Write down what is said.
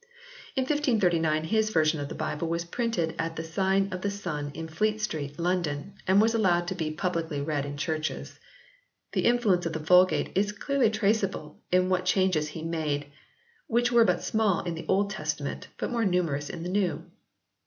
In 1539 his version of the Bible was printed at the Sign of the Sun in Fleet Street, London, and was allowed to be publicly read in churches. The influence of the Vulgate is clearly traceable in what changes he made, which were but small in the Old Testament, but more numerous in the New.